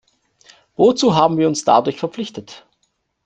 Wozu haben wir uns dadurch verpflichtet?